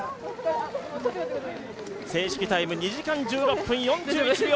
正式タイム２時間１６分４１秒。